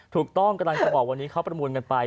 กำลังจะบอกวันนี้เขาประมูลกันไป